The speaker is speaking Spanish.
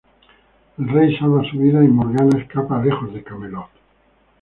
El rey salva su vida y Morgana escapa lejos de Camelot.